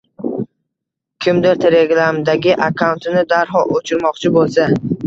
Kimdir Telegramdagi akkauntini darhol o’chirmoqchi bo’lsa